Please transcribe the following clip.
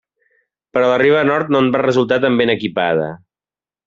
Però la riba nord no en va resultar tan ben equipada.